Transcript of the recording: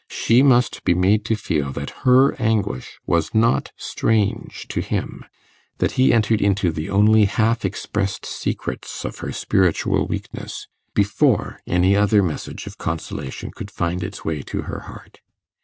She must be made to feel that her anguish was not strange to him; that he entered into the only half expressed secrets of her spiritual weakness, before any other message of consolation could find its way to her heart.